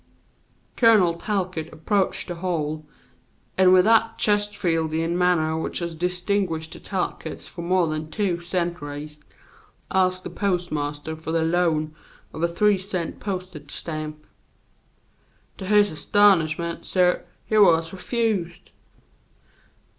"Colonel Talcott approached the hole, and with that Chesterfieldian manner which has distinguished the Talcotts for mo' than two centuries, asked the postmaster for the loan of a three cent postage stamp. "To his astonishment, suh, he was refused.